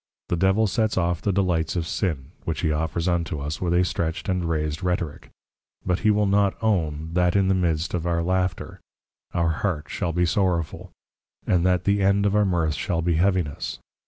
The Devil sets off the Delights of Sin, which he offers unto us, with a stretched and raised Rhetorick; but he will not own, That in the midst of our Laughter, our Heart shall be sorrowful; and _That the end of our Mirth shall be Heaviness.